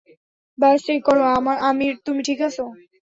বাস check করো, আমির, তুমি ঠিক আছ?